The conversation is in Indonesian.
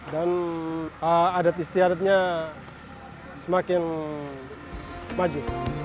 adat istiadatnya semakin maju